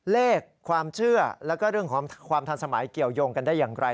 เลขความเชื่อแล้วก็เรื่องของความทันสมัยเกี่ยวยงกันได้อย่างไร